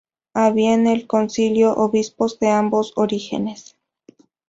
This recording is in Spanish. Había en el concilio obispos de ambos orígenes.